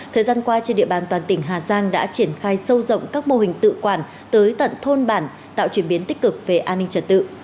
thời gian qua trên địa bàn toàn tỉnh hà giang đã triển khai sâu rộng các mô hình tự quản tới tận thôn bản tạo chuyển biến tích cực về an ninh trật tự